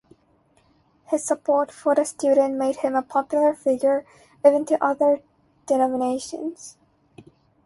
His support for the students made him a popular figure even to other denominations.